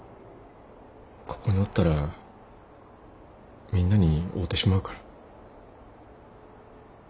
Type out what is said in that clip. ここにおったらみんなに会うてしまうから。